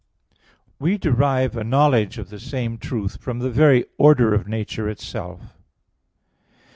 We derive a knowledge of the same truth from the very order of nature itself.